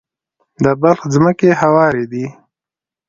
د بلخ ځمکې هوارې دي